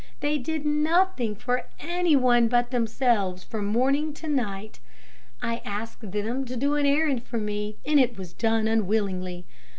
They did nothing for any one but themselves from morning to night. If I asked them to do an errand for me, it was done unwillingly.